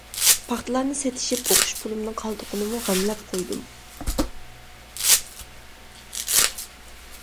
پاختىلارنى سېتىشىپ ئوقۇش پۇلۇمنىڭ قالدۇقىنىمۇ غەملەپ قويدۇم.